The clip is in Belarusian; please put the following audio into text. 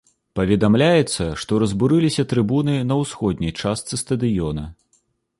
Паведамляецца, што разбурыліся трыбуны на ўсходняй частцы стадыёна.